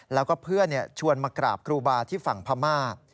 แล้วก็เพื่อนชวนมากราบครูบาที่ฝั่งพม่า